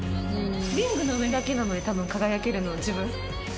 リングの上だけなので多分輝けるの自分。